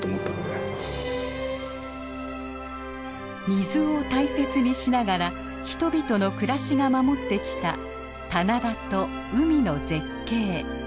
水を大切にしながら人々の暮らしが守ってきた棚田と海の絶景。